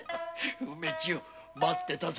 梅千代待ってたぞ。